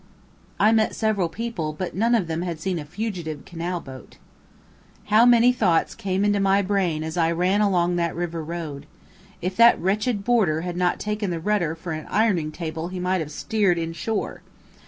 I met several people, but none of them had seen a fugitive canal boat. How many thoughts came into my brain as I ran along that river road! If that wretched boarder had not taken the rudder for an ironing table he might have steered in shore!